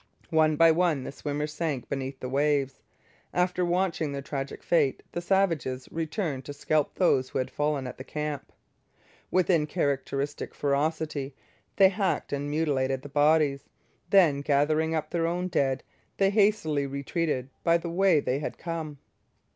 One by one the swimmers sank beneath the waves. After watching their tragic fate, the savages returned to scalp those who had fallen at the camp. With characteristic ferocity they hacked and mutilated the bodies. Then, gathering up their own dead, they hastily retreated by the way they had come.